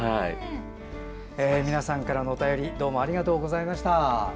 皆さんからのお便りありがとうございました。